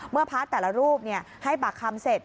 เมื่อพระอาจารย์แต่ละรูปให้บักคำเสร็จ